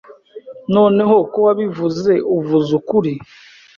Noneho ko wabivuze, uvuze ukuri.